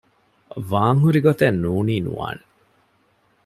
ވާންހުރި ގޮތެއް ނޫނީ ނުވާނެ